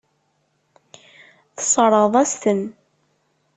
Tesseṛɣeḍ-as-ten.